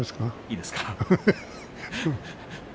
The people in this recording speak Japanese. いいですか。